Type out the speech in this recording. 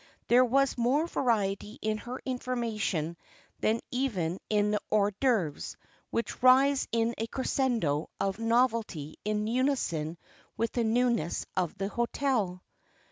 There was more variety in her information than even in the hors d'oeuvres, which rise in a crescendo of novelty in unison with the newness of the hotel.